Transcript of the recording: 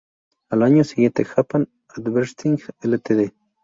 Al año siguiente, Japan Advertising Ltd.